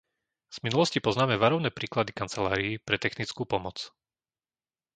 Z minulosti poznáme varovné príklady kancelárií pre technickú pomoc.